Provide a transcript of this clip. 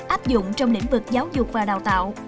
áp dụng trong lĩnh vực giáo dục và đào tạo